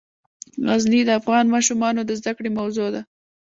غزني د افغان ماشومانو د زده کړې موضوع ده.